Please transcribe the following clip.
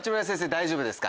大丈夫ですか？